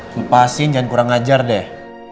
ngepasin jangan kurang ajar deh